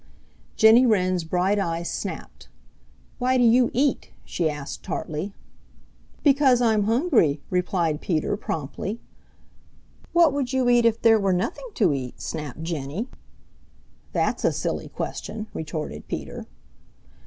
Jenny Wren's bright eyes snapped. "Why do you eat?" she asked tartly. "Because I'm hungry," replied Peter promptly. "What would you eat if there were nothing to eat?" snapped Jenny. "That's a silly question," retorted Peter.